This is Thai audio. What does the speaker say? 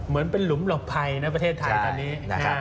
เหมือนเป็นหลุมหลบภัยในประเทศไทยตอนนี้นะครับ